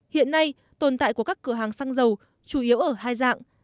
hiện nay tồn tại của các cửa hàng xăng dầu chủ yếu ở hai dạng